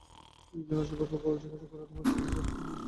একদিন আচমকা গোপাল জিজ্ঞাসা করিল, তোমার সেনদিদি কিসে মরল শশী?